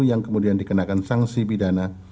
yang kemudian dikenakan sanksi pidana